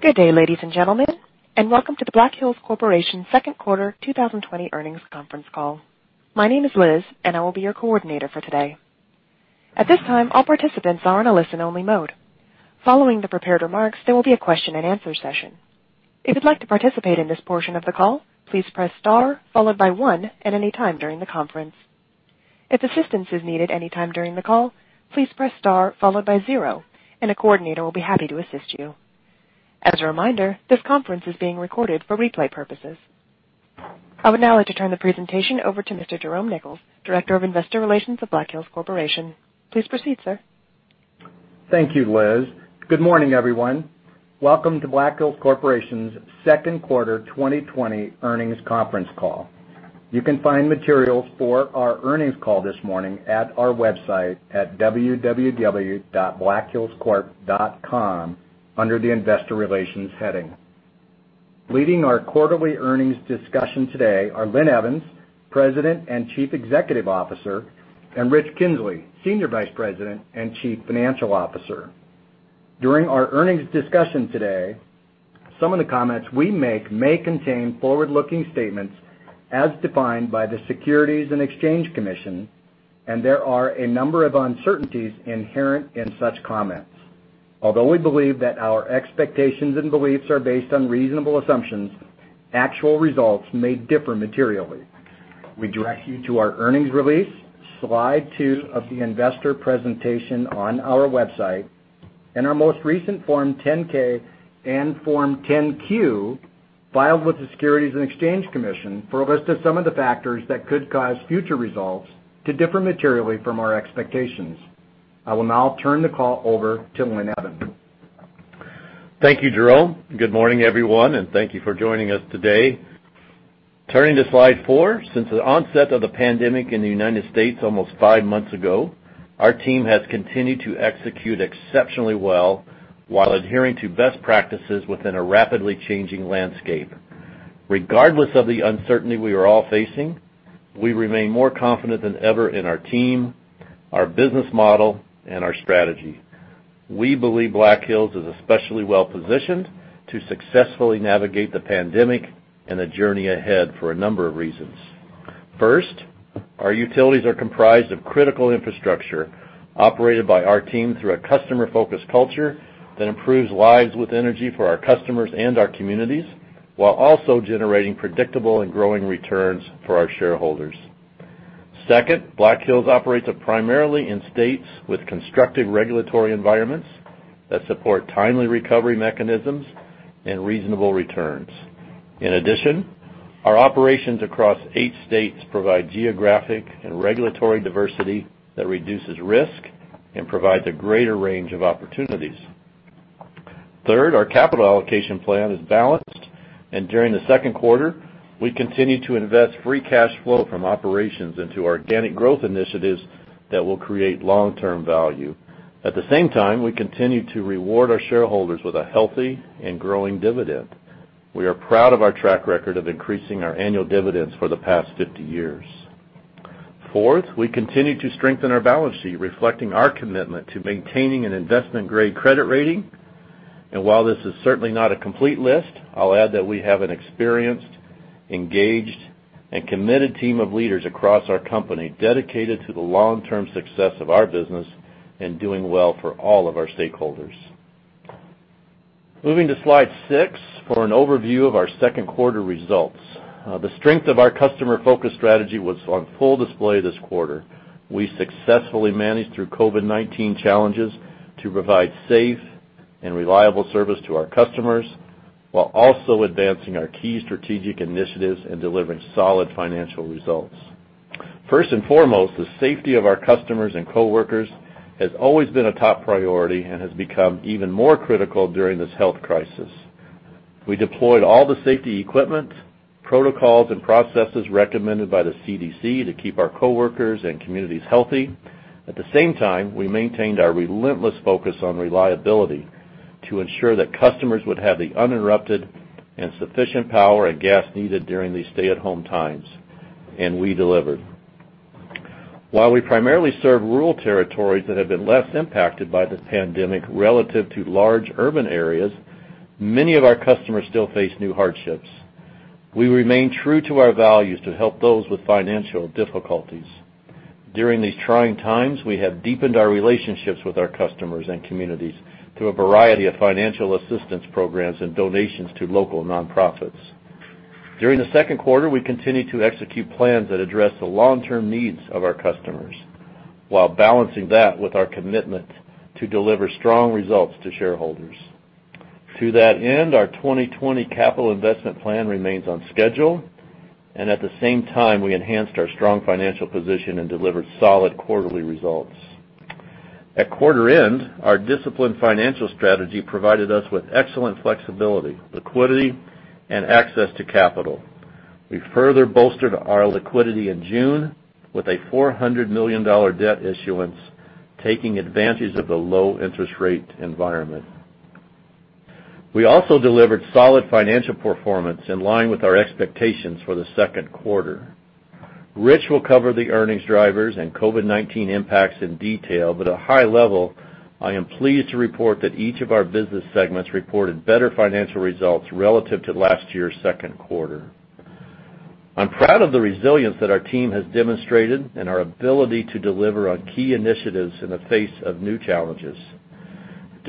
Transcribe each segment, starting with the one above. Good day, ladies and gentlemen, and welcome to the Black Hills Corporation Second Quarter 2020 Earnings Conference Call. My name is Liz, and I will be your coordinator for today. At this time, all participants are in a listen-only mode. Following the prepared remarks, there will be a question and answer session. If you'd like to participate in this portion of the call, please press star followed by one at any time during the conference. If assistance is needed any time during the call, please press star followed by zero, and a coordinator will be happy to assist you. As a reminder, this conference is being recorded for replay purposes. I would now like to turn the presentation over to Mr. Jerome Nichols, Director of Investor Relations of Black Hills Corporation. Please proceed, sir. Thank you, Liz. Good morning, everyone. Welcome to Black Hills Corporation's Second Quarter 2020 Earnings Conference Call. You can find materials for our earnings call this morning at our website at www.blackhillscorp.com under the Investor Relations heading. Leading our quarterly earnings discussion today are Linn Evans, President and Chief Executive Officer, and Rich Kinzley, Senior Vice President and Chief Financial Officer. During our earnings discussion today, some of the comments we make may contain forward-looking statements as defined by the Securities and Exchange Commission, and there are a number of uncertainties inherent in such comments. Although we believe that our expectations and beliefs are based on reasonable assumptions, actual results may differ materially. We direct you to our earnings release, slide two of the investor presentation on our website, and our most recent Form 10-K and Form 10-Q filed with the Securities and Exchange Commission for [a list] of some of the factors that could cause future results to differ materially from our expectations. I will now turn the call over to Linn Evans. Thank you, Jerome. Good morning, everyone, and thank you for joining us today. Turning to slide four. Since the onset of the pandemic in the United States almost five months ago, our team has continued to execute exceptionally well while adhering to best practices within a rapidly changing landscape. Regardless of the uncertainty we are all facing, we remain more confident than ever in our team, our business model and our strategy. We believe Black Hills is especially well-positioned to successfully navigate the pandemic and the journey ahead for a number of reasons. First, our utilities are comprised of critical infrastructure operated by our team through a customer-focused culture that improves lives with energy for our customers and our communities, while also generating predictable and growing returns for our shareholders. Second, Black Hills operates primarily in states with constructive regulatory environments that support timely recovery mechanisms and reasonable returns. In addition, our operations across eight states provide geographic and regulatory diversity that reduces risk and provides a greater range of opportunities. Third, our capital allocation plan is balanced, and during the second quarter, we continued to invest free cash flow from operations into organic growth initiatives that will create long-term value. At the same time, we continued to reward our shareholders with a healthy and growing dividend. We are proud of our track record of increasing our annual dividends for the past 50 years. Fourth, we continued to strengthen our balance sheet, reflecting our commitment to maintaining an investment-grade credit rating. While this is certainly not a complete list, I'll add that we have an experienced, engaged, and committed team of leaders across our company dedicated to the long-term success of our business and doing well for all of our stakeholders. Moving to slide six for an overview of our second quarter results. The strength of our customer-focused strategy was on full display this quarter. We successfully managed through COVID-19 challenges to provide safe and reliable service to our customers, while also advancing our key strategic initiatives and delivering solid financial results. First and foremost, the safety of our customers and coworkers has always been a top priority and has become even more critical during this health crisis. We deployed all the safety equipment, protocols, and processes recommended by the CDC to keep our coworkers and communities healthy. At the same time, we maintained our relentless focus on reliability to ensure that customers would have the uninterrupted and sufficient power and gas needed during these stay-at-home times, we delivered. While we primarily serve rural territories that have been less impacted by this pandemic relative to large urban areas, many of our customers still face new hardships. We remain true to our values to help those with financial difficulties. During these trying times, we have deepened our relationships with our customers and communities through a variety of financial assistance programs and donations to local nonprofits. During the second quarter, we continued to execute plans that address the long-term needs of our customers while balancing that with our commitment to deliver strong results to shareholders. To that end, our 2020 capital investment plan remains on schedule. At the same time, we enhanced our strong financial position and delivered solid quarterly results. At quarter end, our disciplined financial strategy provided us with excellent flexibility, liquidity, and access to capital. We further bolstered our liquidity in June with a $400 million debt issuance, taking advantage of the low interest rate environment. We also delivered solid financial performance in line with our expectations for the second quarter. Rich will cover the earnings drivers and COVID-19 impacts in detail. At high level, I am pleased to report that each of our business segments reported better financial results relative to last year's second quarter. I'm proud of the resilience that our team has demonstrated and our ability to deliver on key initiatives in the face of new challenges.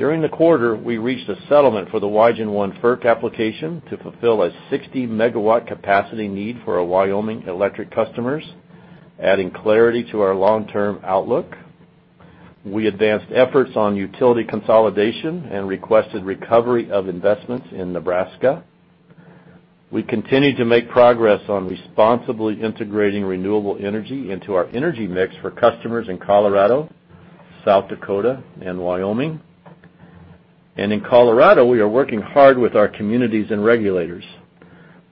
During the quarter, we reached a settlement for the Wygen I FERC application to fulfill a 60 MW capacity need for our Wyoming electric customers, adding clarity to our long-term outlook. We advanced efforts on utility consolidation and requested recovery of investments in Nebraska. We continued to make progress on responsibly integrating renewable energy into our energy mix for customers in Colorado, South Dakota, and Wyoming. In Colorado, we are working hard with our communities and regulators.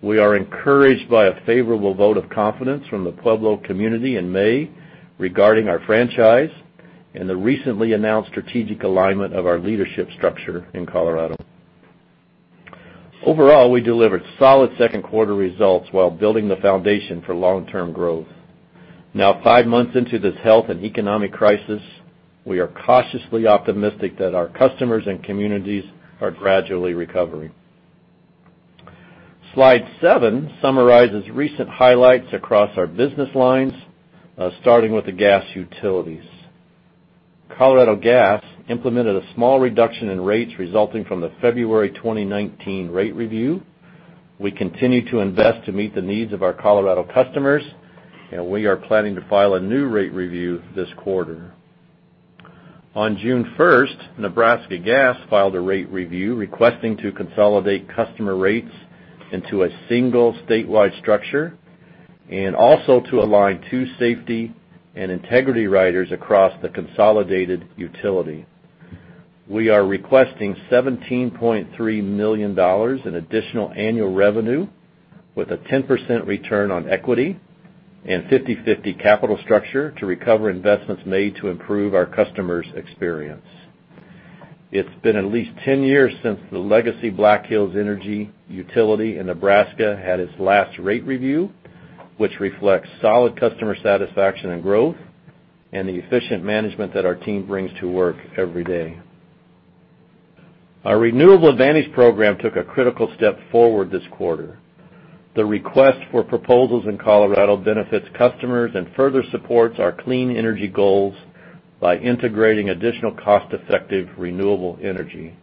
We are encouraged by a favorable vote of confidence from the Pueblo community in May regarding our franchise and the recently announced strategic alignment of our leadership structure in Colorado. Overall, we delivered solid second quarter results while building the foundation for long-term growth. Now five months into this health and economic crisis, we are cautiously optimistic that our customers and communities are gradually recovering. Slide seven summarizes recent highlights across our business lines, starting with the gas utilities. Colorado Gas implemented a small reduction in rates resulting from the February 2019 rate review. We continue to invest to meet the needs of our Colorado customers, and we are planning to file a new rate review this quarter. On June 1st, Nebraska Gas filed a rate review requesting to consolidate customer rates into a single statewide structure, and also to align two safety and integrity riders across the consolidated utility. We are requesting $17.3 million in additional annual revenue with a 10% return on equity and 50/50 capital structure to recover investments made to improve our customers' experience. It's been at least 10 years since the legacy Black Hills Energy utility in Nebraska had its last rate review, which reflects solid customer satisfaction and growth and the efficient management that our team brings to work every day. Our Renewable Advantage program took a critical step forward this quarter. The request for proposals in Colorado benefits customers and further supports our clean energy goals by integrating additional cost-effective, renewable energy.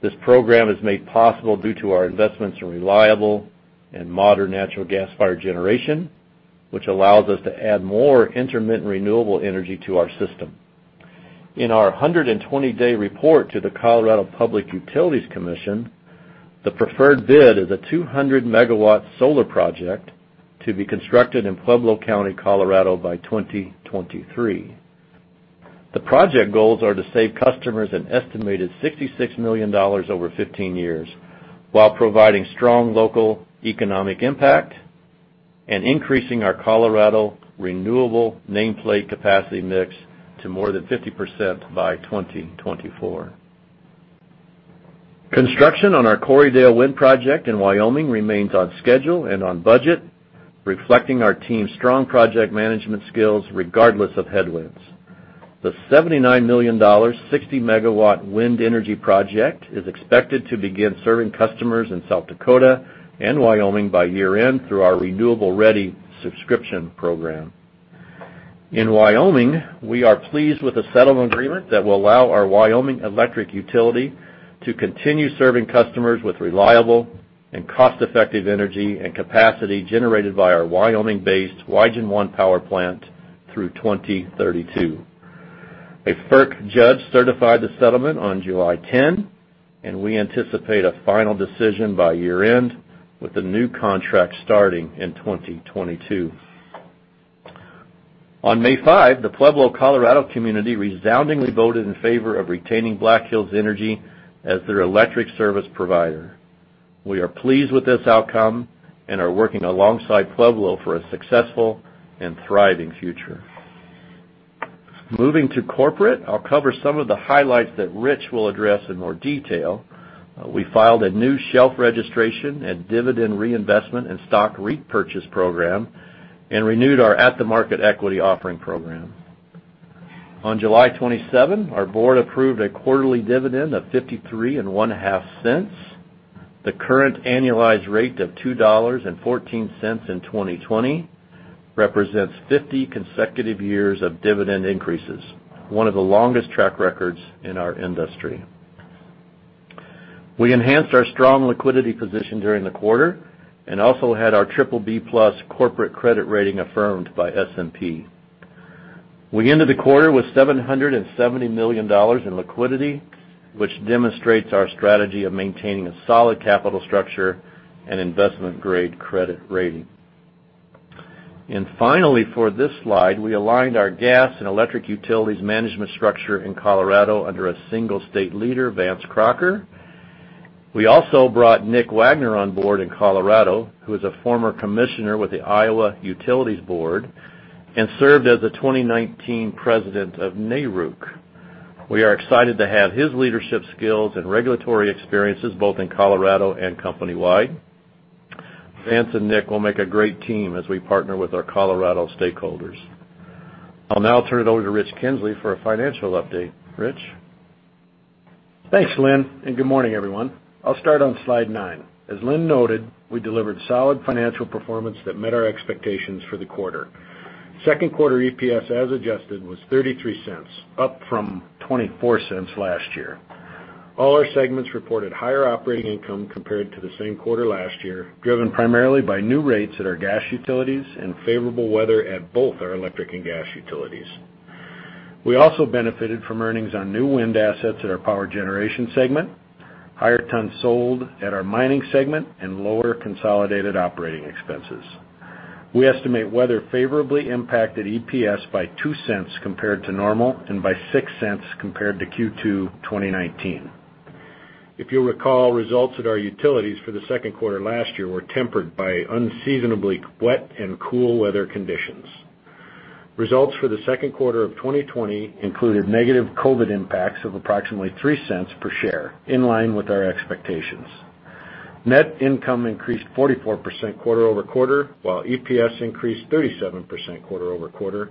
This program is made possible due to our investments in reliable and modern natural gas-fired generation, which allows us to add more intermittent renewable energy to our system. In our 120-day report to the Colorado Public Utilities Commission, the preferred bid is a 200-megawatt solar project to be constructed in Pueblo County, Colorado by 2023. The project goals are to save customers an estimated $66 million over 15 years while providing strong local economic impact and increasing our Colorado renewable nameplate capacity mix to more than 50% by 2024. Construction on our Corriedale Wind Project in Wyoming remains on schedule and on budget, reflecting our team's strong project management skills regardless of headwinds. The $79 million, 60 MW wind energy project is expected to begin serving customers in South Dakota and Wyoming by year-end through our Renewable Ready subscription program. In Wyoming, we are pleased with the settlement agreement that will allow our Wyoming electric utility to continue serving customers with reliable and cost-effective energy and capacity generated by our Wyoming-based Wygen I power plant through 2032. A FERC judge certified the settlement on July 10, and we anticipate a final decision by year-end, with the new contract starting in 2022. On May 5, the Pueblo, Colorado community resoundingly voted in favor of retaining Black Hills Energy as their electric service provider. We are pleased with this outcome and are working alongside Pueblo for a successful and thriving future. Moving to corporate, I'll cover some of the highlights that Rich will address in more detail. We filed a new shelf registration and dividend reinvestment and stock repurchase program and renewed our at-the-market equity offering program. On July 27, our board approved a quarterly dividend of $0.535. The current annualized rate of $2.14 in 2020 represents 50 consecutive years of dividend increases, one of the longest track records in our industry. We enhanced our strong liquidity position during the quarter and also had our BBB+ corporate credit rating affirmed by S&P. We ended the quarter with $770 million in liquidity, which demonstrates our strategy of maintaining a solid capital structure and investment-grade credit rating. Finally, for this slide, we aligned our gas and electric utilities management structure in Colorado under a single state leader, Vance Crocker. We also brought Nick Wagner on board in Colorado, who is a former commissioner with the Iowa Utilities Board and served as the 2019 president of NARUC. We are excited to have his leadership skills and regulatory experiences both in Colorado and company-wide. Vance and Nick will make a great team as we partner with our Colorado stakeholders. I'll now turn it over to Rich Kinzley for a financial update. Rich? Thanks, Linn, and good morning, everyone. I'll start on slide nine. As Linn noted, we delivered solid financial performance that met our expectations for the quarter. Second quarter EPS, as adjusted, was $0.33, up from $0.24 last year. All our segments reported higher operating income compared to the same quarter last year, driven primarily by new rates at our gas utilities and favorable weather at both our electric and gas utilities. We also benefited from earnings on new wind assets at our power generation segment, higher tons sold at our mining segment, and lower consolidated operating expenses. We estimate weather favorably impacted EPS by $0.02 compared to normal and by $0.06 compared to Q2 2019. If you'll recall, results at our utilities for the second quarter last year were tempered by unseasonably wet and cool weather conditions. Results for the second quarter of 2020 included negative COVID impacts of approximately $0.03 per share, in line with our expectations. Net income increased 44% quarter-over-quarter, while EPS increased 37% quarter-over-quarter,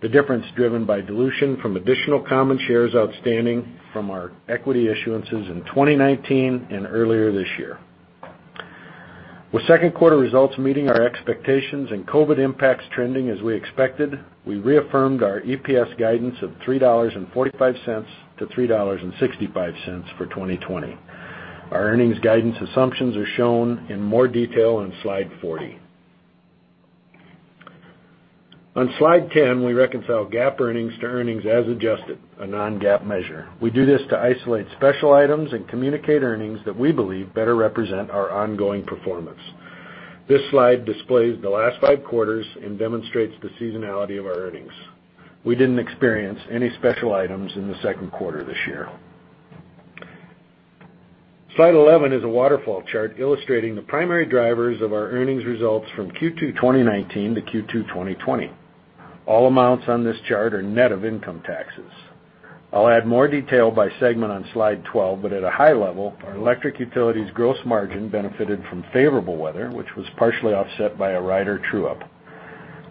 the difference driven by dilution from additional common shares outstanding from our equity issuances in 2019 and earlier this year. With second quarter results meeting our expectations and COVID impacts trending as we expected, we reaffirmed our EPS guidance of $3.45-$3.65 for 2020. Our earnings guidance assumptions are shown in more detail on slide 40. On slide 10, we reconcile GAAP earnings to earnings as adjusted, a non-GAAP measure. We do this to isolate special items and communicate earnings that we believe better represent our ongoing performance. This slide displays the last five quarters and demonstrates the seasonality of our earnings. We didn't experience any special items in the second quarter this year. Slide 11 is a waterfall chart illustrating the primary drivers of our earnings results from Q2 2019 to Q2 2020. All amounts on this chart are net of income taxes. I'll add more detail by segment on slide 12. At a high level, our electric utilities' gross margin benefited from favorable weather, which was partially offset by a rider true-up.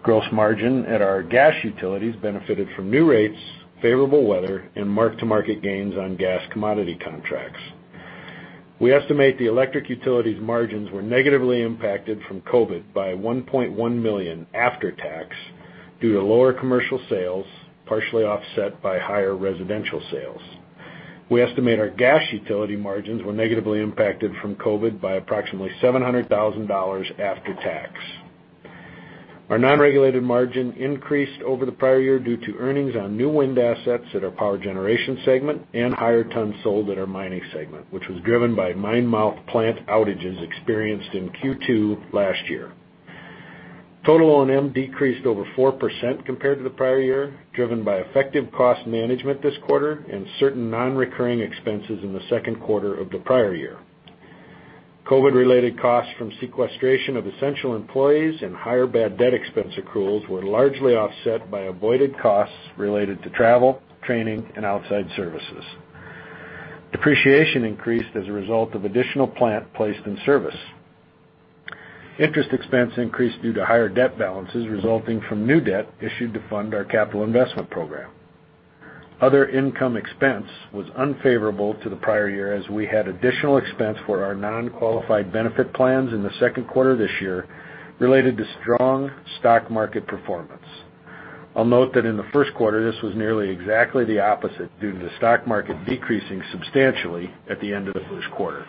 Gross margin at our gas utilities benefited from new rates, favorable weather, and mark-to-market gains on gas commodity contracts. We estimate the electric utilities' margins were negatively impacted from COVID by $1.1 million after tax due to lower commercial sales, partially offset by higher residential sales. We estimate our gas utility margins were negatively impacted from COVID by approximately $700,000 after tax. Our non-regulated margin increased over the prior year due to earnings on new wind assets at our power generation segment and higher tons sold at our mining segment, which was driven by mine-mouth plant outages experienced in Q2 last year. Total O&M decreased over 4% compared to the prior year, driven by effective cost management this quarter and certain non-recurring expenses in the second quarter of the prior year. COVID-related costs from sequestration of essential employees and higher bad debt expense accruals were largely offset by avoided costs related to travel, training, and outside services. Depreciation increased as a result of additional plant placed in service. Interest expense increased due to higher debt balances resulting from new debt issued to fund our capital investment program. Other income expense was unfavorable to the prior year as we had additional expense for our non-qualified benefit plans in the second quarter this year related to strong stock market performance. I'll note that in the first quarter, this was nearly exactly the opposite due to the stock market decreasing substantially at the end of the first quarter.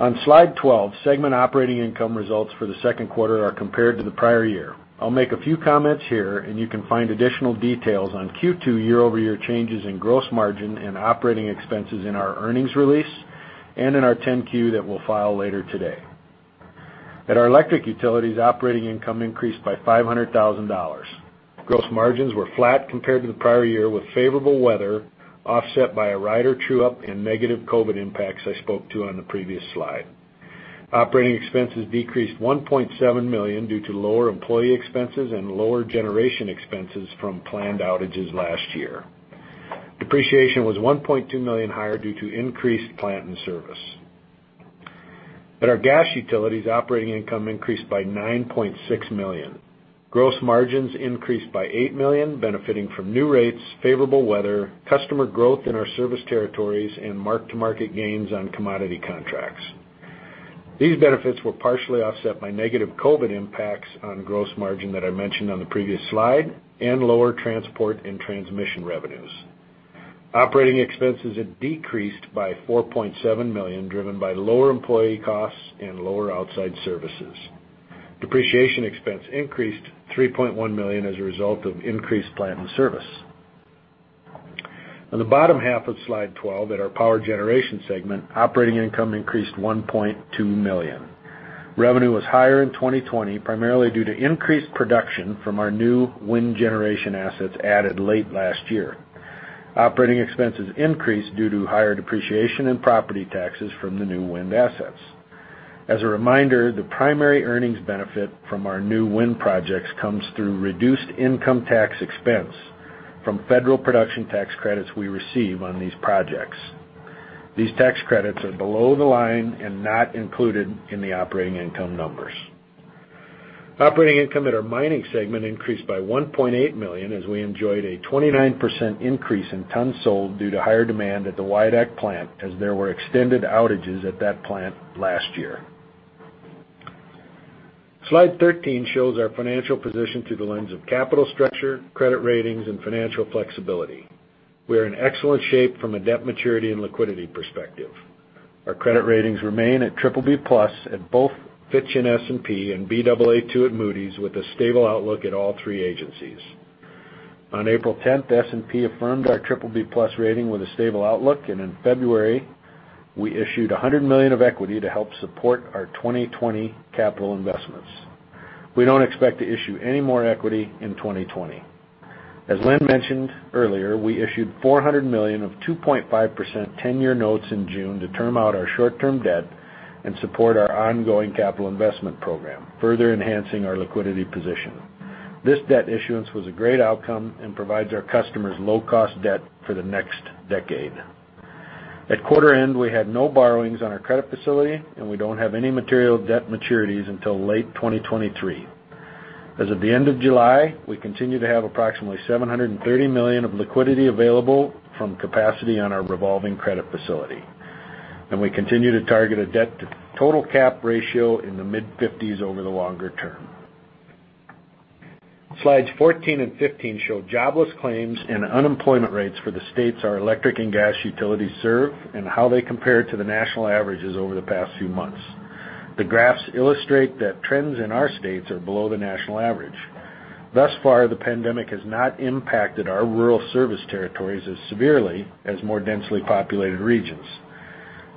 On slide 12, segment operating income results for the second quarter are compared to the prior year. I'll make a few comments here, and you can find additional details on Q2 year-over-year changes in gross margin and operating expenses in our earnings release and in our 10-Q that we'll file later today. At our electric utilities, operating income increased by $500,000. Gross margins were flat compared to the prior year, with favorable weather offset by a rider true-up and negative COVID impacts I spoke to on the previous slide. Operating expenses decreased $1.7 million due to lower employee expenses and lower generation expenses from planned outages last year. Depreciation was $1.2 million higher due to increased plant in service. At our gas utilities, operating income increased by $9.6 million. Gross margins increased by $8 million, benefiting from new rates, favorable weather, customer growth in our service territories, and mark-to-market gains on commodity contracts. These benefits were partially offset by negative COVID impacts on gross margin that I mentioned on the previous slide and lower transport and transmission revenues. Operating expenses had decreased by $4.7 million, driven by lower employee costs and lower outside services. Depreciation expense increased $3.1 million as a result of increased plant in service. On the bottom half of slide 12, at our power generation segment, operating income increased $1.2 million. Revenue was higher in 2020, primarily due to increased production from our new wind generation assets added late last year. Operating expenses increased due to higher depreciation in property taxes from the new wind assets. As a reminder, the primary earnings benefit from our new wind projects comes through reduced income tax expense from federal production tax credits we receive on these projects. These tax credits are below the line and not included in the operating income numbers. Operating income at our mining segment increased by $1.8 million, as we enjoyed a 29% increase in tons sold due to higher demand at the Wyodak plant as there were extended outages at that plant last year. Slide 13 shows our financial position through the lens of capital structure, credit ratings, and financial flexibility. We are in excellent shape from a debt maturity and liquidity perspective. Our credit ratings remain at BBB+ at both Fitch and S&P, and Baa2 at Moody's, with a stable outlook at all three agencies. On April 10th, S&P affirmed our BBB+ rating with a stable outlook, and in February, we issued $100 million of equity to help support our 2020 capital investments. We don't expect to issue any more equity in 2020. As Linn mentioned earlier, we issued $400 million of 2.5% 10-year notes in June to term out our short-term debt and support our ongoing capital investment program, further enhancing our liquidity position. This debt issuance was a great outcome and provides our customers low-cost debt for the next decade. At quarter end, we had no borrowings on our credit facility, and we don't have any material debt maturities until late 2023. As of the end of July, we continue to have approximately $730 million of liquidity available from capacity on our revolving credit facility. We continue to target a debt-to-total cap ratio in the mid-50s over the longer term. Slides 14 and 15 show jobless claims and unemployment rates for the states our electric and gas utilities serve and how they compare to the national averages over the past few months. The graphs illustrate that trends in our states are below the national average. Thus far, the pandemic has not impacted our rural service territories as severely as more densely populated regions.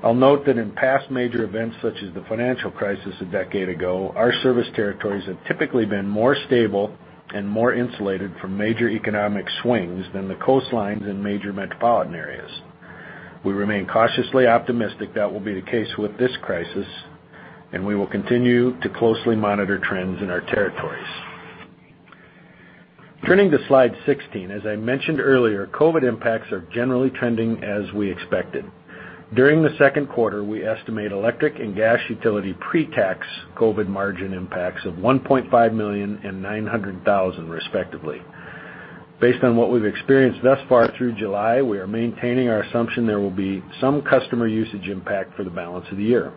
I'll note that in past major events, such as the financial crisis a decade ago, our service territories have typically been more stable and more insulated from major economic swings than the coastlines and major metropolitan areas. We remain cautiously optimistic that will be the case with this crisis, and we will continue to closely monitor trends in our territories. Turning to slide 16, as I mentioned earlier, COVID impacts are generally trending as we expected. During the second quarter, we estimate electric and gas utility pre-tax COVID margin impacts of $1.5 million and $900,000, respectively. Based on what we've experienced thus far through July, we are maintaining our assumption there will be some customer usage impact for the balance of the year.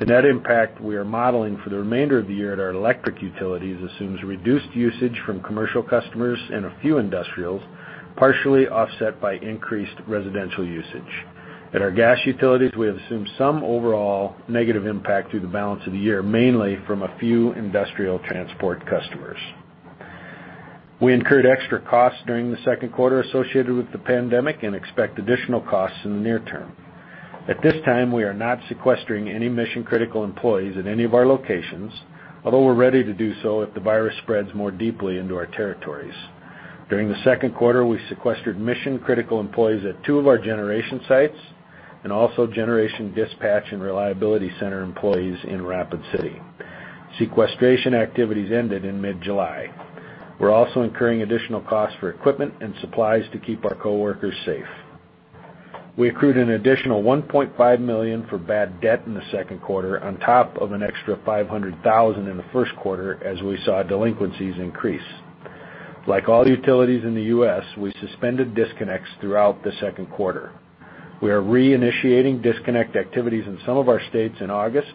The net impact we are modeling for the remainder of the year at our electric utilities assumes reduced usage from commercial customers and a few industrials, partially offset by increased residential usage. At our gas utilities, we have assumed some overall negative impact through the balance of the year, mainly from a few industrial transport customers. We incurred extra costs during the second quarter associated with the pandemic and expect additional costs in the near term. At this time, we are not sequestering any mission-critical employees at any of our locations, although we're ready to do so if the virus spreads more deeply into our territories. During the second quarter, we sequestered mission-critical employees at two of our generation sites and also generation dispatch and reliability center employees in Rapid City. Sequestration activities ended in mid-July. We're also incurring additional costs for equipment and supplies to keep our coworkers safe. We accrued an additional $1.5 million for bad debt in the second quarter on top of an extra $500,000 in the first quarter, as we saw delinquencies increase. Like all utilities in the U.S., we suspended disconnects throughout the second quarter. We are reinitiating disconnect activities in some of our states in August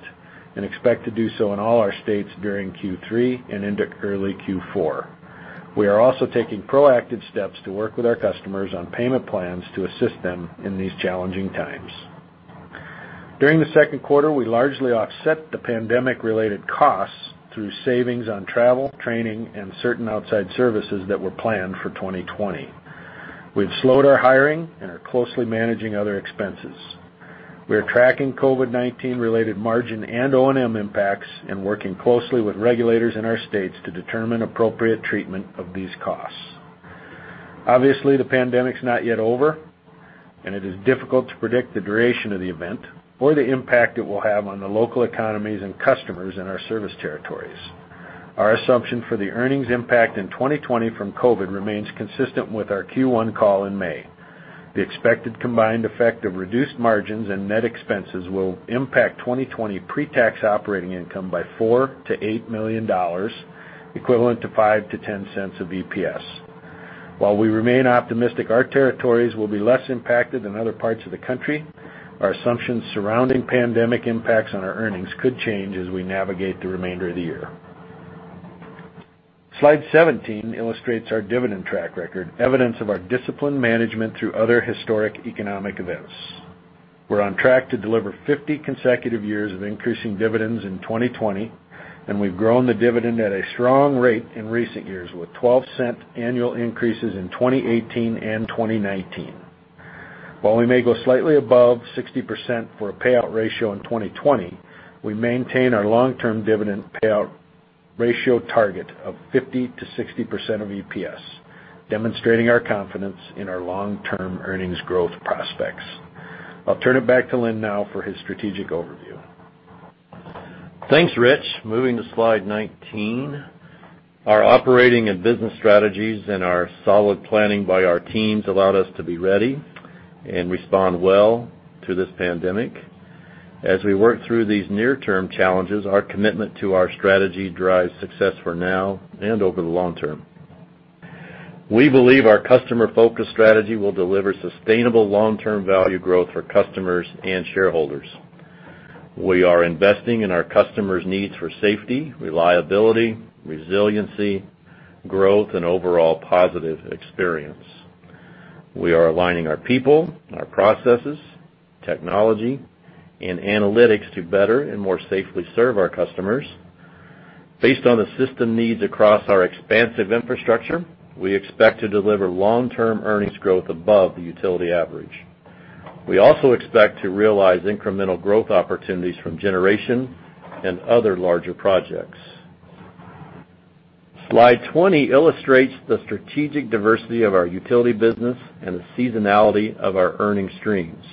and expect to do so in all our states during Q3 and into early Q4. We are also taking proactive steps to work with our customers on payment plans to assist them in these challenging times. During the second quarter, we largely offset the pandemic-related costs through savings on travel, training, and certain outside services that were planned for 2020. We've slowed our hiring and are closely managing other expenses. We are tracking COVID-19 related margin and O&M impacts and working closely with regulators in our states to determine appropriate treatment of these costs. The pandemic's not yet over, and it is difficult to predict the duration of the event or the impact it will have on the local economies and customers in our service territories. Our assumption for the earnings impact in 2020 from COVID remains consistent with our Q1 call in May. The expected combined effect of reduced margins and net expenses will impact 2020 pre-tax operating income by $4 million-$8 million, equivalent to $0.05-$0.10 a basis point. While we remain optimistic our territories will be less impacted than other parts of the country, our assumptions surrounding pandemic impacts on our earnings could change as we navigate the remainder of the year. Slide 17 illustrates our dividend track record, evidence of our disciplined management through other historic economic events. We're on track to deliver 50 consecutive years of increasing dividends in 2020, and we've grown the dividend at a strong rate in recent years, with $0.12 annual increases in 2018 and 2019. While we may go slightly above 60% for a payout ratio in 2020, we maintain our long-term dividend payout ratio target of 50%-60% of EPS, demonstrating our confidence in our long-term earnings growth prospects. I'll turn it back to Linn now for his strategic overview. Thanks, Rich. Moving to slide 19. Our operating and business strategies and our solid planning by our teams allowed us to be ready and respond well to this pandemic. As we work through these near-term challenges, our commitment to our strategy drives success for now and over the long term. We believe our customer-focused strategy will deliver sustainable long-term value growth for customers and shareholders. We are investing in our customers' needs for safety, reliability, resiliency, growth, and overall positive experience. We are aligning our people, our processes, technology, and analytics to better and more safely serve our customers. Based on the system needs across our expansive infrastructure, we expect to deliver long-term earnings growth above the utility average. We also expect to realize incremental growth opportunities from generation and other larger projects. Slide 20 illustrates the strategic diversity of our utility business and the seasonality of our earning streams.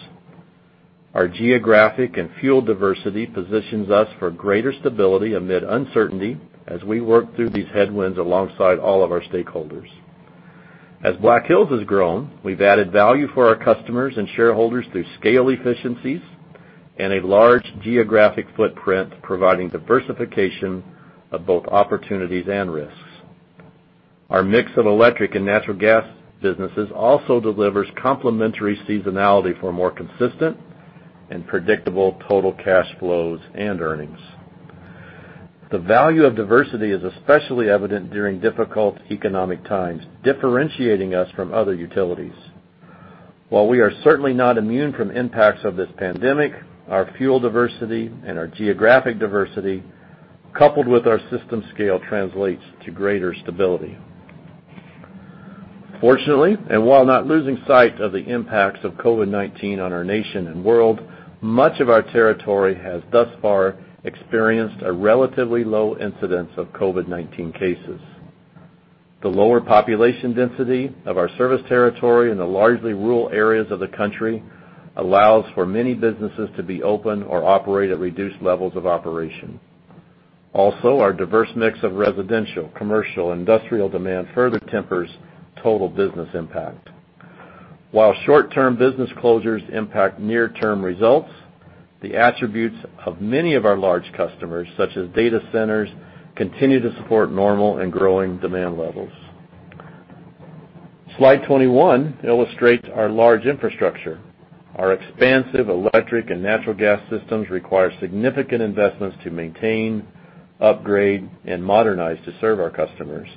Our geographic and fuel diversity positions us for greater stability amid uncertainty as we work through these headwinds alongside all of our stakeholders. As Black Hills has grown, we've added value for our customers and shareholders through scale efficiencies and a large geographic footprint, providing diversification of both opportunities and risks. Our mix of electric and natural gas businesses also delivers complementary seasonality for more consistent and predictable total cash flows and earnings. The value of diversity is especially evident during difficult economic times, differentiating us from other utilities. While we are certainly not immune from impacts of this pandemic, our fuel diversity and our geographic diversity, coupled with our system scale, translates to greater stability. Fortunately, and while not losing sight of the impacts of COVID-19 on our nation and world, much of our territory has thus far experienced a relatively low incidence of COVID-19 cases. The lower population density of our service territory in the largely rural areas of the country allows for many businesses to be open or operate at reduced levels of operation. Our diverse mix of residential, commercial, industrial demand further tempers total business impact. While short-term business closures impact near-term results, the attributes of many of our large customers, such as data centers, continue to support normal and growing demand levels. Slide 21 illustrates our large infrastructure. Our expansive electric and natural gas systems require significant investments to maintain, upgrade, and modernize to serve our customers.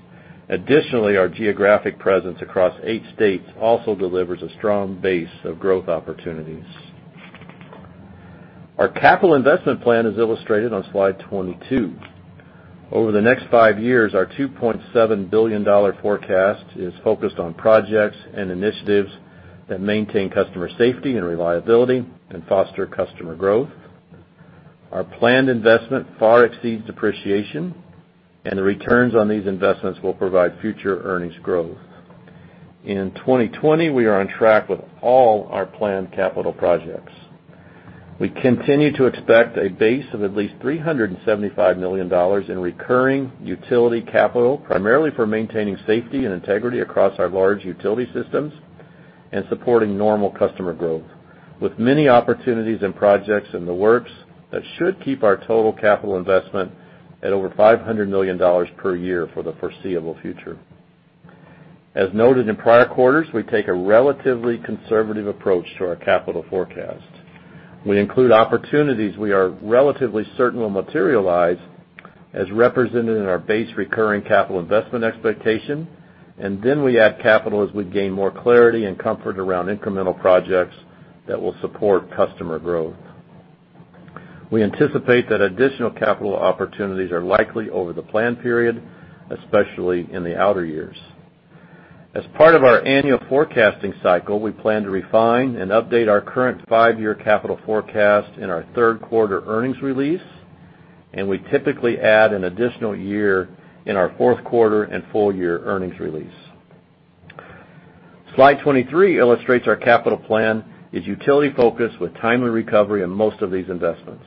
Our geographic presence across eight states also delivers a strong base of growth opportunities. Our capital investment plan is illustrated on slide 22. Over the next five years, our $2.7 billion forecast is focused on projects and initiatives that maintain customer safety and reliability and foster customer growth. Our planned investment far exceeds depreciation, and the returns on these investments will provide future earnings growth. In 2020, we are on track with all our planned capital projects. We continue to expect a base of at least $375 million in recurring utility capital, primarily for maintaining safety and integrity across our large utility systems and supporting normal customer growth, with many opportunities and projects in the works that should keep our total capital investment at over $500 million per year for the foreseeable future. As noted in prior quarters, we take a relatively conservative approach to our capital forecast. We include opportunities we are relatively certain will materialize, as represented in our base recurring capital investment expectation, and then we add capital as we gain more clarity and comfort around incremental projects that will support customer growth. We anticipate that additional capital opportunities are likely over the plan period, especially in the outer years. As part of our annual forecasting cycle, we plan to refine and update our current five-year capital forecast in our third quarter earnings release, and we typically add an additional year in our fourth quarter and full year earnings release. Slide 23 illustrates our capital plan is utility-focused with timely recovery in most of these investments.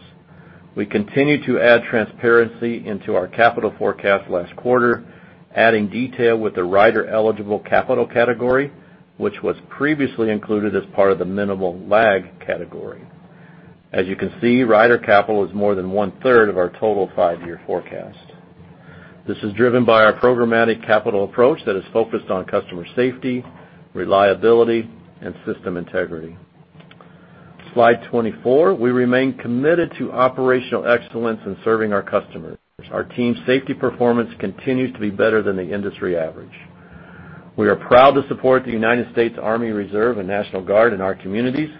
We continued to add transparency into our capital forecast last quarter, adding detail with the rider-eligible capital category, which was previously included as part of the minimal lag category. As you can see, rider capital is more than one-third of our total five-year forecast. This is driven by our programmatic capital approach that is focused on customer safety, reliability, and system integrity. Slide 24, we remain committed to operational excellence in serving our customers. Our team's safety performance continues to be better than the industry average. We are proud to support the United States Army Reserve and National Guard in our communities.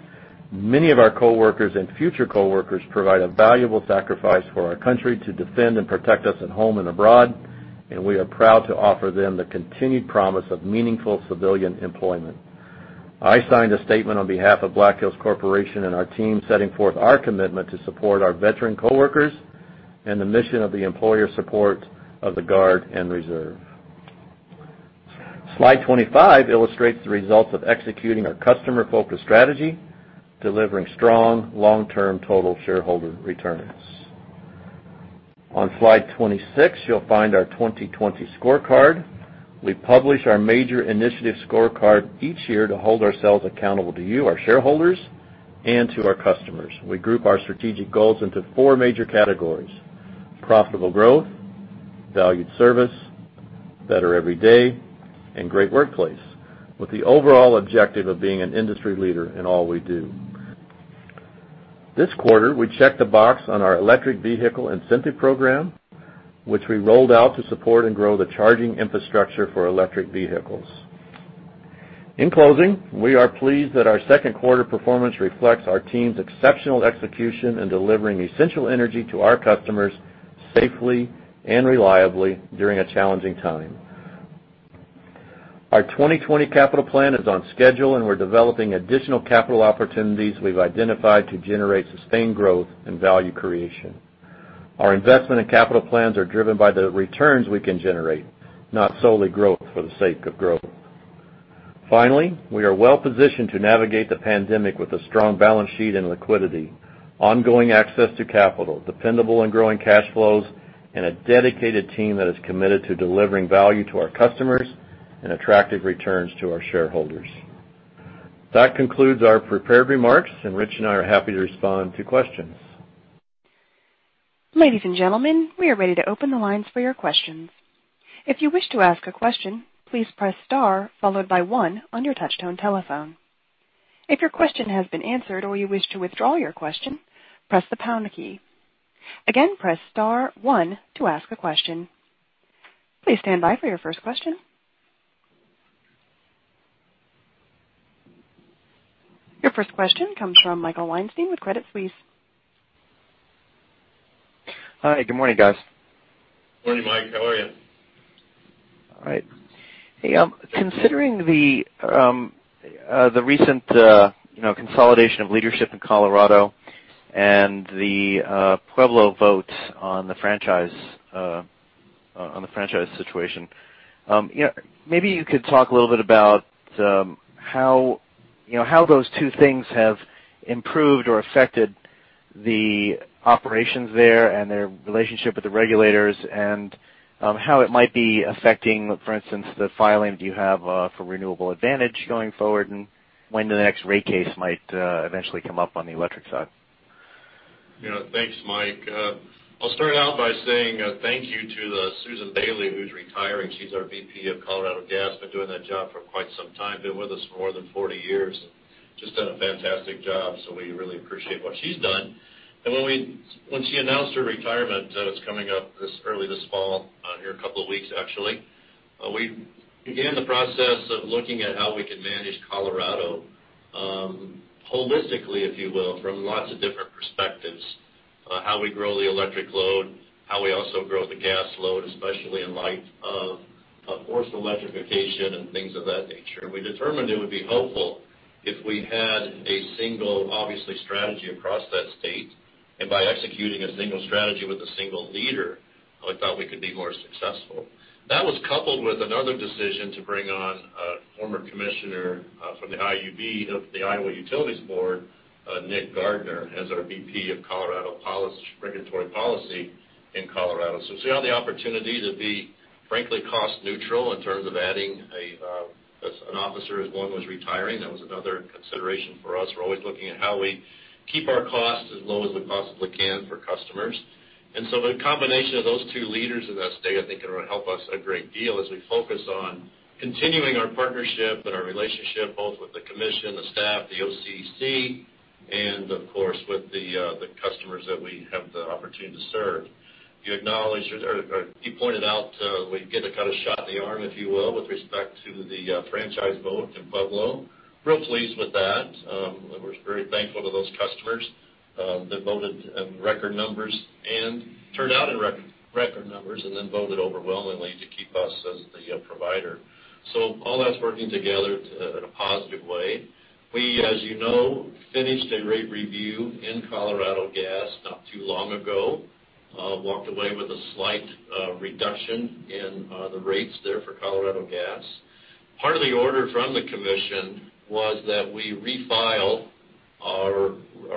Many of our coworkers and future coworkers provide a valuable sacrifice for our country to defend and protect us at home and abroad, and we are proud to offer them the continued promise of meaningful civilian employment. I signed a statement on behalf of Black Hills Corporation and our team setting forth our commitment to support our veteran coworkers and the mission of the Employer Support of the Guard and Reserve. Slide 25 illustrates the results of executing our customer-focused strategy, delivering strong long-term total shareholder returns. On slide 26, you'll find our 2020 scorecard. We publish our major initiative scorecard each year to hold ourselves accountable to you, our shareholders, and to our customers. We group our strategic goals into four major categories: profitable growth, valued service, better every day, and great workplace, with the overall objective of being an industry leader in all we do. This quarter, we checked the box on our electric vehicle incentive program, which we rolled out to support and grow the charging infrastructure for electric vehicles. In closing, we are pleased that our second quarter performance reflects our team's exceptional execution in delivering essential energy to our customers safely and reliably during a challenging time. Our 2020 capital plan is on schedule, and we're developing additional capital opportunities we've identified to generate sustained growth and value creation. Our investment in capital plans are driven by the returns we can generate, not solely growth for the sake of growth. Finally, we are well-positioned to navigate the pandemic with a strong balance sheet and liquidity, ongoing access to capital, dependable and growing cash flows, and a dedicated team that is committed to delivering value to our customers and attractive returns to our shareholders. That concludes our prepared remarks, and Rich and I are happy to respond to questions. Ladies and gentlemen, we are ready to open the lines for your questions. If you wish to ask a question, please press star followed by one on your touchtone telephone. If your question has been answered or you wish to withdraw your question, press the pound key. Again, press star one to ask a question. Please stand by for your first question. Your first question comes from Michael Weinstein with Credit Suisse. Hi. Good morning, guys. Morning, Mike. How are you? All right. Hey, considering the recent consolidation of leadership in Colorado and the Pueblo vote on the franchise situation, maybe you could talk a little bit about how those two things have improved or affected the operations there and their relationship with the regulators and how it might be affecting, for instance, the filing that you have for Renewable Advantage going forward and when the next rate case might eventually come up on the electric side? Thanks, Mike. I'll start out by saying thank you to Susan Bailey, who's retiring. She's our VP of Colorado Gas, been doing that job for quite some time, been with us for more than 40 years, just done a fantastic job, so we really appreciate what she's done. When she announced her retirement that is coming up early this fall, here a couple of weeks, actually, we began the process of looking at how we can manage Colorado holistically, if you will, from lots of different perspectives. How we grow the electric load, how we also grow the gas load, especially in light of forced electrification and things of that nature. We determined it would be helpful if we had a single, obviously, strategy across that state, and by executing a single strategy with a single leader, we thought we could be more successful. That was coupled with another decision to bring on a former commissioner from the IUB, the Iowa Utilities Board, Nick Wagner, as our VP of regulatory policy in Colorado. We saw the opportunity to be, frankly, cost neutral in terms of adding an officer as one was retiring. That was another consideration for us. We're always looking at how we keep our costs as low as we possibly can for customers. The combination of those two leaders in that state, I think, are going to help us a great deal as we focus on continuing our partnership and our relationship, both with the commission, the staff, the OCC, and of course, with the customers that we have the opportunity to serve. You pointed out we get a kind of shot in the arm, if you will, with respect to the franchise vote in Pueblo. Real pleased with that. We're very thankful to those customers that voted in record numbers and turned out in record numbers. Then voted overwhelmingly to keep us as the provider. All that's working together in a positive way. We, as you know, finished a rate review in Colorado Gas not too long ago. Walked away with a slight reduction in the rates there for Colorado Gas. Part of the order from the Commission was that we refile our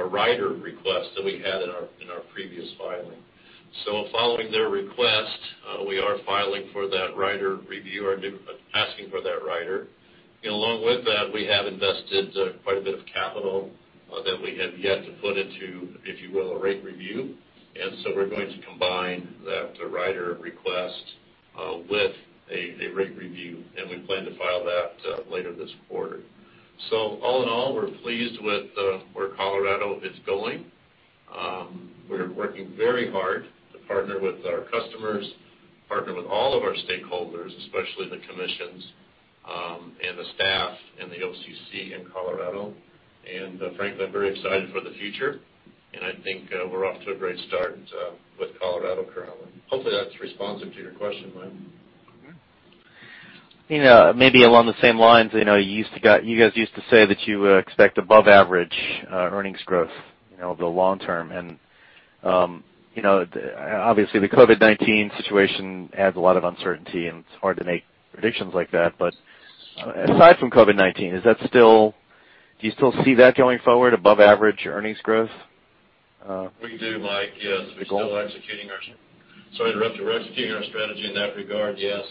rider request that we had in our previous filing. Following their request, we are filing for that rider review or asking for that rider. Along with that, we have invested quite a bit of capital that we have yet to put into, if you will, a rate review. We're going to combine that rider request with a rate review, and we plan to file that later this quarter. All in all, we're pleased with where Colorado is going. We're working very hard to partner with our customers, partner with all of our stakeholders, especially the commissions, and the staff in the OCC in Colorado. Frankly, I'm very excited for the future, and I think we're off to a great start with Colorado currently. Hopefully, that's responsive to your question, Mike. Maybe along the same lines, you guys used to say that you expect above-average earnings growth over the long term. Obviously, the COVID-19 situation adds a lot of uncertainty, and it's hard to make predictions like that. Aside from COVID-19, do you still see that going forward, above-average earnings growth? We do, Mike. Yes. The goal. We're still executing our strategy in that regard. Yes.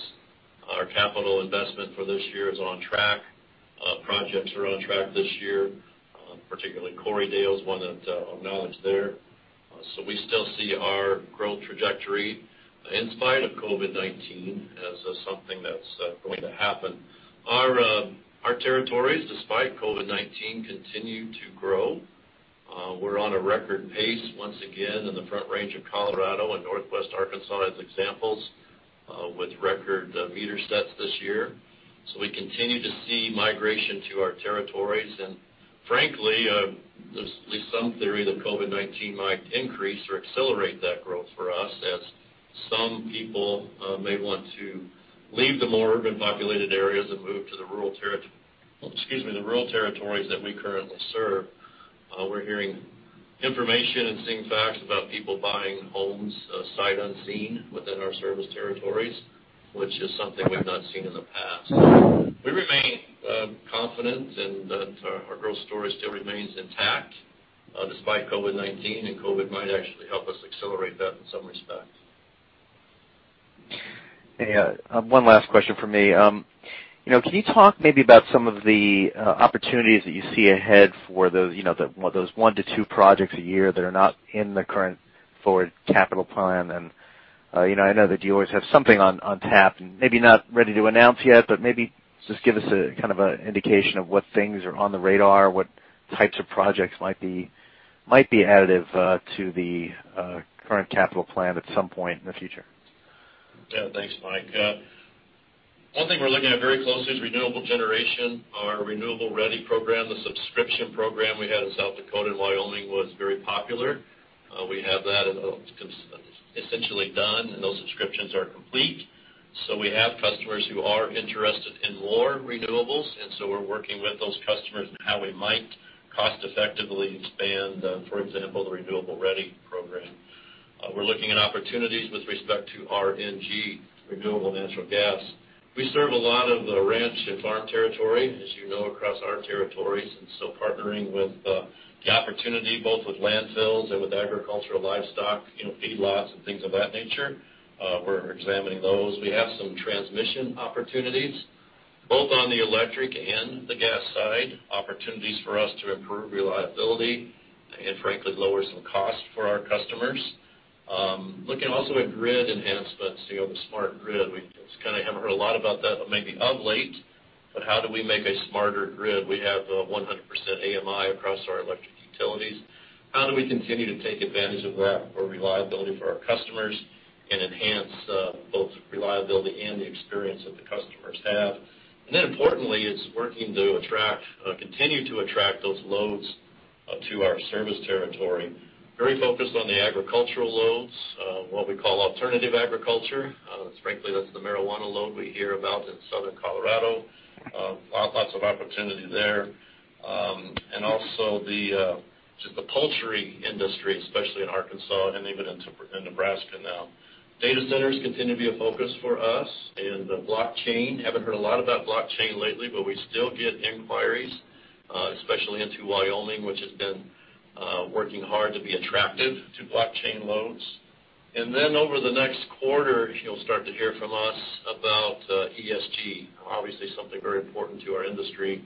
Our capital investment for this year is on track. Projects are on track this year. Particularly, Corriedale is one that I'll acknowledge there. We still see our growth trajectory, in spite of COVID-19, as something that's going to happen. Our territories, despite COVID-19, continue to grow. We're on a record pace once again in the Front Range of Colorado and Northwest Arkansas as examples, with record meter sets this year. We continue to see migration to our territories. Frankly, there's at least some theory that COVID-19 might increase or accelerate that growth for us as some people may want to leave the more urban populated areas and move to the rural territories that we currently serve. We're hearing information and seeing facts about people buying homes sight unseen within our service territories, which is something we've not seen in the past. We remain confident, and our growth story still remains intact despite COVID-19, and COVID might actually help us accelerate that in some respects. One last question from me. Can you talk maybe about some of the opportunities that you see ahead for those one to two projects a year that are not in the current forward capital plan? I know that you always have something on tap, and maybe not ready to announce yet, but maybe just give us an indication of what things are on the radar, what types of projects might be additive to the current capital plan at some point in the future. Yeah. Thanks, Mike. One thing we're looking at very closely is renewable generation. Our Renewable Ready program, the subscription program we had in South Dakota and Wyoming, was very popular. We have that essentially done, and those subscriptions are complete. We have customers who are interested in more renewables, and so we're working with those customers on how we might cost-effectively expand, for example, the Renewable Ready program. We're looking at opportunities with respect to RNG, renewable natural gas. We serve a lot of the ranch and farm territory, as you know, across our territories, and so partnering with the opportunity, both with landfills and with agricultural livestock, feedlots and things of that nature, we're examining those. We have some transmission opportunities, both on the electric and the gas side, opportunities for us to improve reliability and frankly, lower some costs for our customers. Looking also at grid enhancements, the smart grid. You kind of haven't heard a lot about that maybe of late, how do we make a smarter grid? We have 100% AMI across our electric utilities. How do we continue to take advantage of that for reliability for our customers and enhance both reliability and the experience that the customers have? Importantly, it's working to continue to attract those loads to our service territory. Very focused on the agricultural loads, what we call alternative agriculture. Frankly, that's the marijuana load we hear about in Southern Colorado. Lots of opportunity there. Also the poultry industry, especially in Arkansas and even in Nebraska now. Data centers continue to be a focus for us and blockchain. Haven't heard a lot about blockchain lately, but we still get inquiries, especially into Wyoming, which has been working hard to be attractive to blockchain loads. Over the next quarter, you'll start to hear from us about ESG. Obviously, something very important to our industry.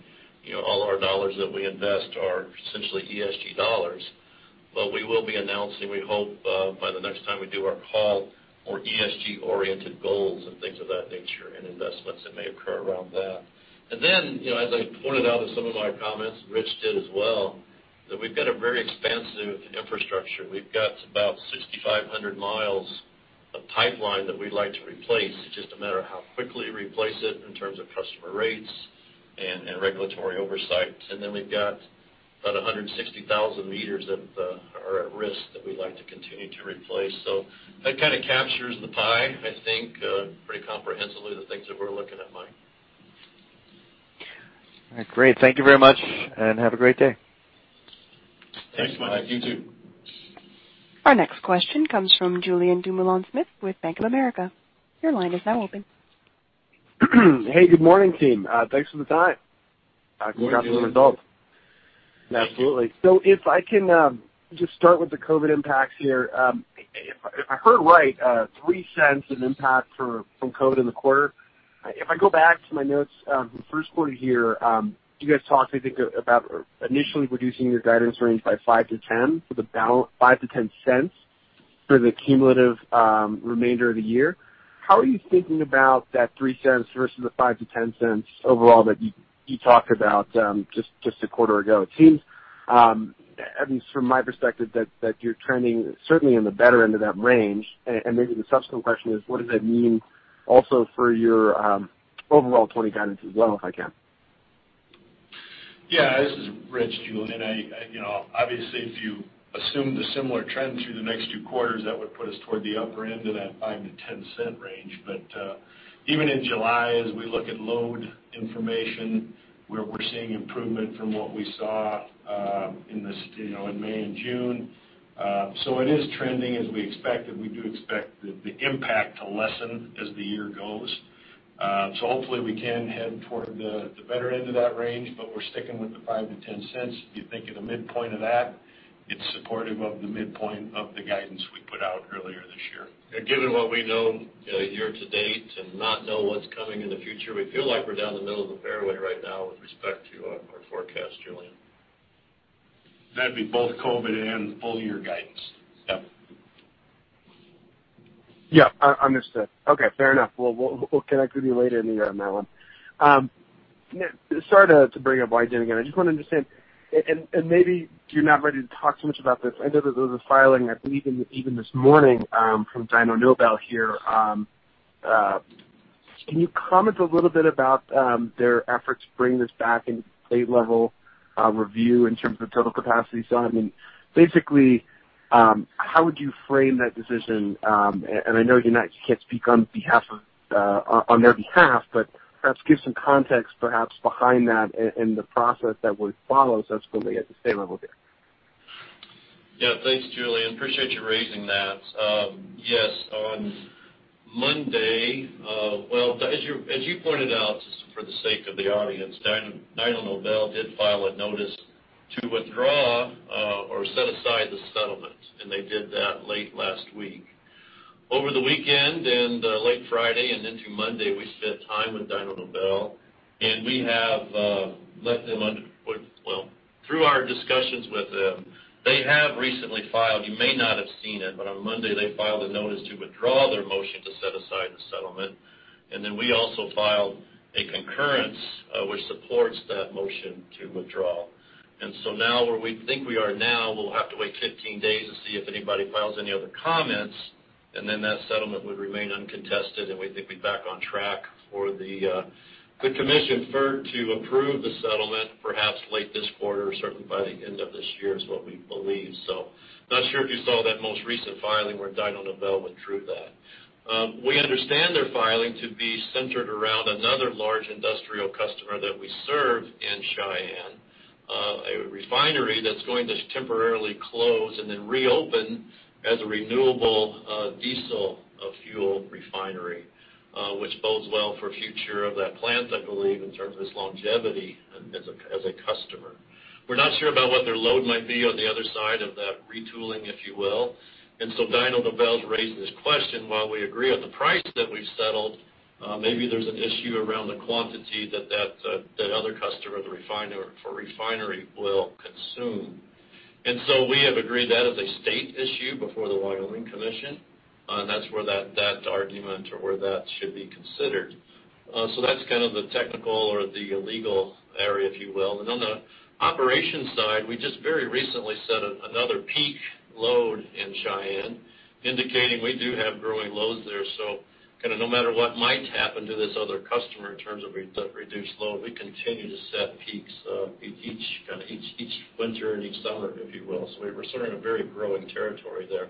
All our dollars that we invest are essentially ESG dollars. We will be announcing, we hope by the next time we do our call, more ESG-oriented goals and things of that nature and investments that may occur around that. As I pointed out in some of my comments, Rich did as well, that we've got a very expansive infrastructure. We've got about 6,500 mi of pipeline that we'd like to replace. It's just a matter of how quickly we replace it in terms of customer rates and regulatory oversight. We've got about 160,000 m that are at risk that we'd like to continue to replace. That kind of captures the pie, I think, pretty comprehensively, the things that we're looking at, Mike. All right. Great. Thank you very much, and have a great day. Thanks, Mike. You, too. Our next question comes from Julien Dumoulin-Smith with Bank of America. Your line is now open. Hey, good morning, team. Thanks for the time. Good morning. Congrats on the results. Absolutely. If I can just start with the COVID impacts here. If I heard right, $0.03 in impact from COVID in the quarter. If I go back to my notes, the first quarter here, you guys talked, I think, about initially reducing your guidance range by $0.05-$0.10 for the cumulative remainder of the year. How are you thinking about that $0.03 versus the $0.05-$0.10 overall that you talked about just a quarter ago? It seems, at least from my perspective, that you're trending certainly in the better end of that range. Maybe the subsequent question is, what does that mean also for your overall 2020 guidance as well, if I can. Yeah, this is Rich, Julien. Obviously, if you assume the similar trend through the next two quarters, that would put us toward the upper end of that $0.05-$0.10 range. Even in July, as we look at load information, we're seeing improvement from what we saw in May and June. It is trending as we expected. We do expect the impact to lessen as the year goes. Hopefully we can head toward the better end of that range, but we're sticking with the $0.05-$0.10. If you think of the midpoint of that, it's supportive of the midpoint of the guidance we put out earlier this year. Given what we know year to date and not know what's coming in the future, we feel like we're down the middle of the fairway right now with respect to our forecast, Julien. That'd be both COVID and full-year guidance. Yep. Yeah, understood. Okay, fair enough. We'll connect with you later in the year on that one. Sorry to bring up Wygen again. I just want to understand, and maybe you're not ready to talk too much about this. I know that there was a filing, I believe, even this morning from Dyno Nobel here. Can you comment a little bit about their efforts to bring this back into state-level review in terms of total capacity? Basically, how would you frame that decision? I know you can't speak on their behalf, but perhaps give some context perhaps behind that and the process that would follow subsequently at the state level there. Yeah. Thanks, Julien. Appreciate you raising that. Yes, on Monday, as you pointed out, just for the sake of the audience, Dyno Nobel did file a notice to withdraw or set aside the settlement, and they did that late last week. Over the weekend and late Friday and into Monday, we spent time with Dyno Nobel, and through our discussions with them, they have recently filed, you may not have seen it, but on Monday, they filed a notice to withdraw their motion to set aside the settlement. We also filed a concurrence which supports that motion to withdraw. Now where we think we are now, we'll have to wait 15 days to see if anybody files any other comments, and then that settlement would remain uncontested, and we think we'd be back on track for the commission to approve the settlement, perhaps late this quarter, certainly by the end of this year, is what we believe. Not sure if you saw that most recent filing where Dyno Nobel withdrew that. We understand their filing to be centered around another large industrial customer that we serve in Cheyenne, a refinery that's going to temporarily close and then reopen as a renewable diesel fuel refinery, which bodes well for future of that plant, I believe, in terms of its longevity as a customer. We're not sure about what their load might be on the other side of that retooling, if you will. Dyno Nobel's raised this question. While we agree on the price that we've settled, maybe there's an issue around the quantity that that other customer for refinery will consume. We have agreed that is a state issue before the Wyoming Commission. That's where that argument or where that should be considered. That's kind of the technical or the legal area, if you will. On the operations side, we just very recently set another peak load in Cheyenne, indicating we do have growing loads there. No matter what might happen to this other customer in terms of reduced load, we continue to set peaks each winter and each summer, if you will. We're sort of in a very growing territory there.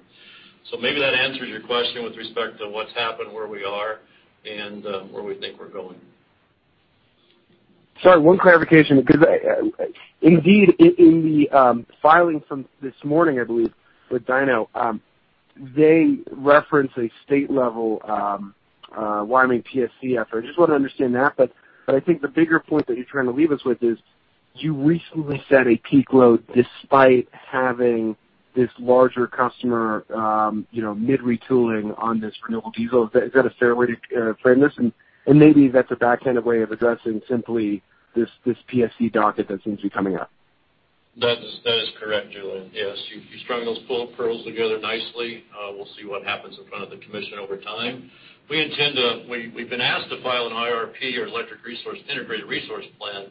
Maybe that answers your question with respect to what's happened, where we are, and where we think we're going. Sorry, one clarification, because indeed, in the filing from this morning, I believe, with Dyno, they reference a state-level Wyoming PSC effort. I just want to understand that. I think the bigger point that you're trying to leave us with is you recently set a peak load despite having this larger customer mid-retooling on this renewable diesel. Is that a fair way to frame this? Maybe that's a backhanded way of addressing simply this PSC docket that seems to be coming up. That is correct, Julien. Yes. You strung those pearls together nicely. We'll see what happens in front of the commission over time. We've been asked to file an IRP or Integrated Resource Plan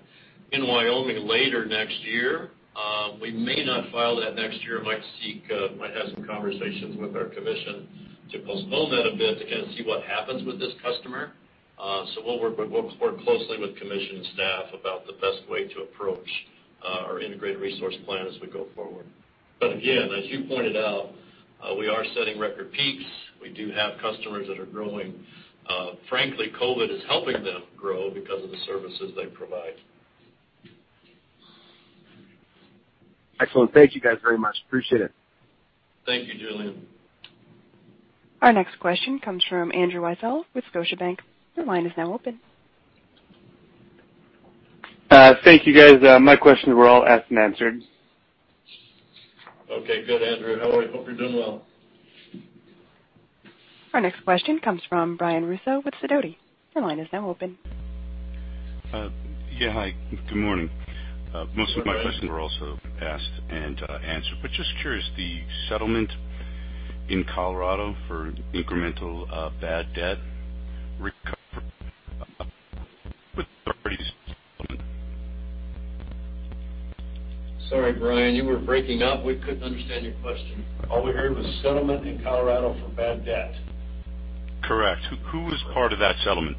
in Wyoming later next year. We may not file that next year. Might have some conversations with our commission to postpone that a bit to kind of see what happens with this customer. We'll work closely with commission staff about the best way to approach our Integrated Resource Plan as we go forward. Again, as you pointed out, we are setting record peaks. We do have customers that are growing. Frankly, COVID is helping them grow because of the services they provide. Excellent. Thank you guys very much. Appreciate it. Thank you, Julien. Our next question comes from Andrew Weisel with Scotiabank. Your line is now open. Thank you, guys. My questions were all asked and answered. Okay, good, Andrew. How are you? Hope you're doing well. Our next question comes from Brian Russo with Sidoti. Your line is now open. Yeah, hi. Good morning. Good morning. were also asked and answered. Just curious, the settlement in Colorado for incremental bad debt recovery with authorities. Sorry, Brian, you were breaking up. We couldn't understand your question. All we heard was settlement in Colorado for bad debt. Correct. Who is part of that settlement?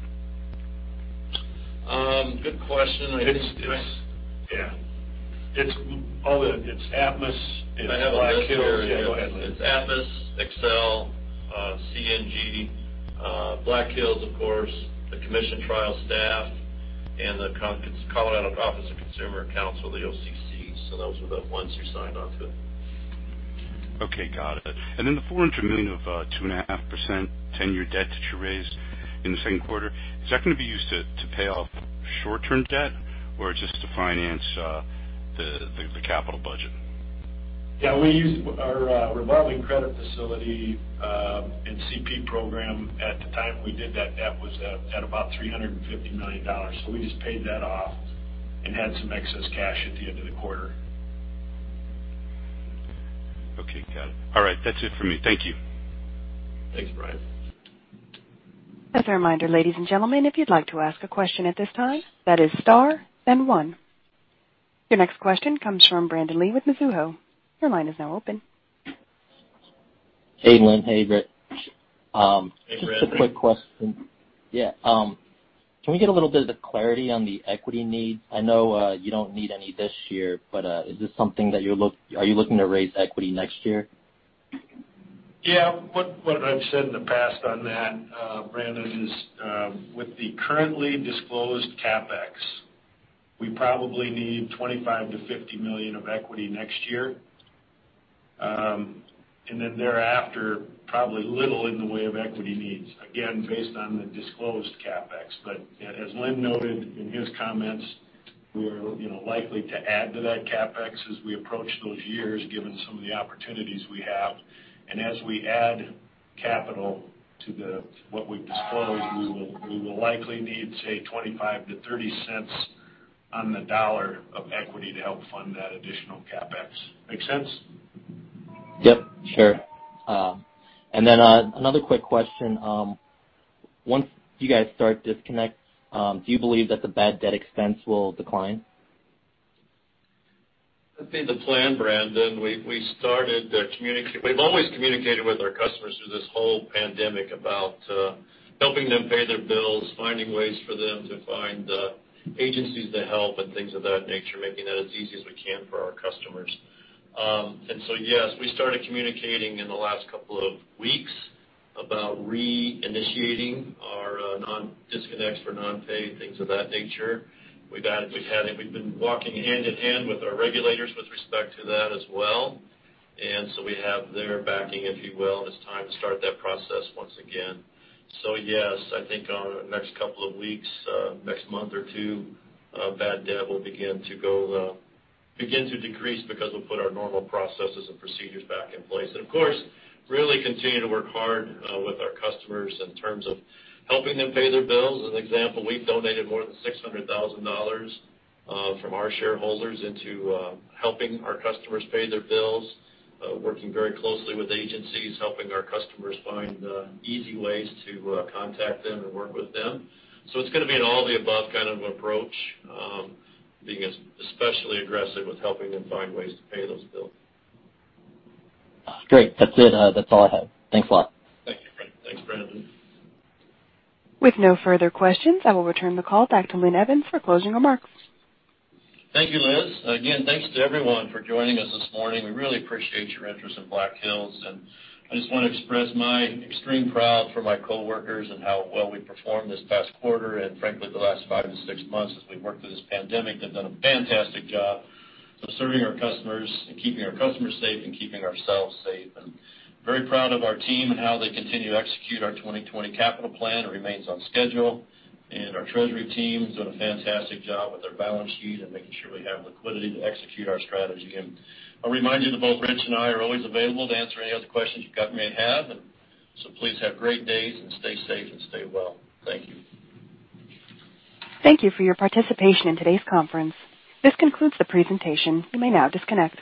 Good question. Yeah. It's Atmos, it's Black Hills. I have a list here. It's Atmos, Xcel, CNG, Black Hills, of course, the commission trial staff, and the Colorado Office of Consumer Counsel, the OCC. Those are the ones who signed onto it. Okay. Got it. The $400 million of 2.5% 10-year debt that you raised in the second quarter, is that going to be used to pay off short-term debt or just to finance the capital budget? Yeah. We used our revolving credit facility and CP program. At the time we did that was at about $350 million. We just paid that off and had some excess cash at the end of the quarter. Okay. Got it. All right. That's it for me. Thank you. Thanks, Brian. As a reminder, ladies and gentlemen, if you'd like to ask a question at this time, that is star and one. Your next question comes from Brandon Lee with Mizuho. Your line is now open. Hey, Linn. Hey, Rich. Hey, Brandon. Just a quick question. Yeah. Can we get a little bit of clarity on the equity needs? I know you don't need any this year, but are you looking to raise equity next year? What I've said in the past on that, Brandon, is with the currently disclosed CapEx, we probably need $25 million to $50 million of equity next year. Thereafter, probably little in the way of equity needs, again, based on the disclosed CapEx. As Linn noted in his comments, we are likely to add to that CapEx as we approach those years, given some of the opportunities we have. As we add capital to what we've disclosed, we will likely need, say, $0.25 to $0.30 on the dollar of equity to help fund that additional CapEx. Make sense? Yep. Sure. Another quick question. Once you guys start disconnect, do you believe that the bad debt expense will decline? That'd be the plan, Brandon. We've always communicated with our customers through this whole pandemic about helping them pay their bills, finding ways for them to find agencies to help and things of that nature, making that as easy as we can for our customers. Yes, we started communicating in the last couple of weeks about reinitiating our disconnects for non-pay, things of that nature. We've been walking hand in hand with our regulators with respect to that as well. We have their backing, if you will, and it's time to start that process once again. Yes, I think on the next couple of weeks, next month or two, bad debt will begin to decrease because we'll put our normal processes and procedures back in place. Of course, really continue to work hard with our customers in terms of helping them pay their bills. As an example, we've donated more than $600,000 from our shareholders into helping our customers pay their bills, working very closely with agencies, helping our customers find easy ways to contact them and work with them. It's going to be an all the above kind of approach, being especially aggressive with helping them find ways to pay those bills. Great. That's it. That's all I had. Thanks a lot. Thank you. Thanks, Brandon. With no further questions, I will return the call back to Linn Evans for closing remarks. Thank you, Liz. Again, thanks to everyone for joining us this morning. We really appreciate your interest in Black Hills. I just want to express my extreme pride for my coworkers and how well we performed this past quarter and frankly, the last five to six months as we've worked through this pandemic. They've done a fantastic job of serving our customers and keeping our customers safe and keeping ourselves safe. Very proud of our team and how they continue to execute our 2020 capital plan. It remains on schedule. Our treasury team's done a fantastic job with our balance sheet and making sure we have liquidity to execute our strategy. I'll remind you that both Rich and I are always available to answer any other questions you may have. Please have great days and stay safe and stay well. Thank you. Thank you for your participation in today's conference. This concludes the presentation. You may now disconnect.